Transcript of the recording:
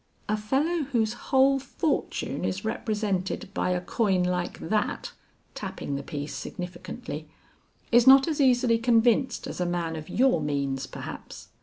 "A fellow whose whole fortune is represented by a coin like that" tapping the piece significantly "is not as easily convinced as a man of your means, perhaps.